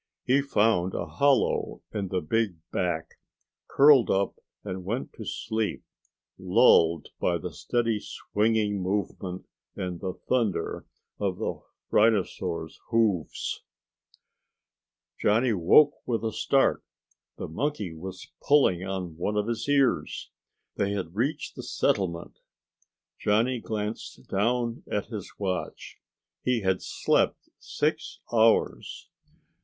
He found a hollow in the big back, curled up and went to sleep, lulled by the steady swinging movement and the thunder of the rhinosaur's hooves. Johnny woke with a start. The monkey was pulling on one of his ears; they had reached the settlement. Johnny glanced down at his watch. He had slept six hours.